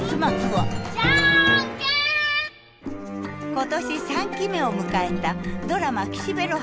今年３期目を迎えたドラマ「岸辺露伴は動かない」。